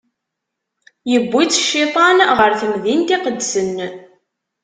Iwwi-t Cciṭan ɣer temdint iqedsen.